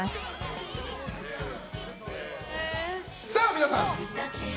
皆さん！